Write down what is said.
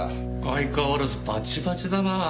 相変わらずバチバチだなぁ。